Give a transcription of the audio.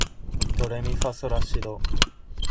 ドレミファソラシド